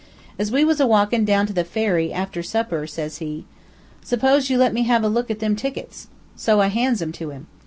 "As we was a walkin' down to the ferry, after supper, says he: "'Suppose you let me have a look at them tickets.' "So I hands 'em to him.